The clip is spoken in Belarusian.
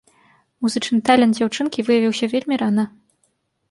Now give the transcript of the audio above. Музычны талент дзяўчынкі выявіўся вельмі рана.